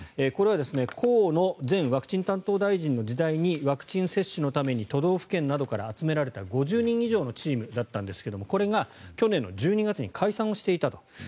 これは河野前ワクチン担当大臣の時代にワクチン接種のために都道府県などから集められた５０人以上のチームだったんですがこれが去年１２月に解散をしていたと。